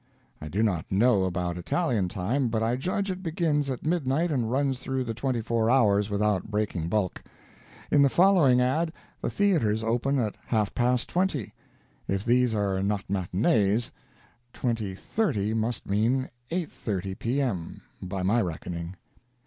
I do not know about Italian time, but I judge it begins at midnight and runs through the twenty four hours without breaking bulk. In the following ad, the theaters open at half past twenty. If these are not matinees, 20.30 must mean 8.30 P.M., by my reckoning.